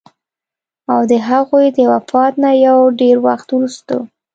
او د هغوي د وفات نه يو ډېر وخت وروستو